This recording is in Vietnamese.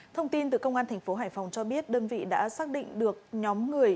thông tin từ công an tp hải phòng cho biết đơn vị đã xác định được nhóm người